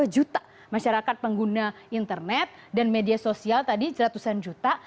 satu ratus tiga puluh dua juta masyarakat pengguna internet dan media sosial tadi ratusan juta